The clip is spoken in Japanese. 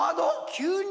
急に！？